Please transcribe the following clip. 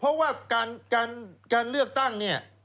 เพราะว่าการเลือกตั้งเนี่ย